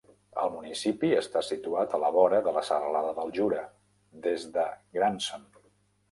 El municipi està situat a la vora de la serralada del Jura, des de Grandson.